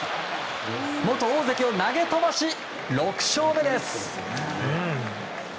元大関を投げ飛ばし６勝目です。